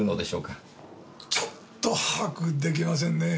ちょっと把握できませんね。